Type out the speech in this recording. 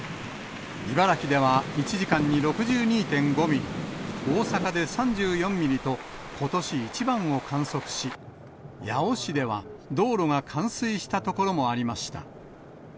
茨木では１時間に６２．５ミリ、大阪で３４ミリと、ことし一番を観測し、八尾市では、道路が冠水した所もありました。